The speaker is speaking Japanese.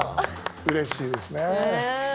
うれしいですね。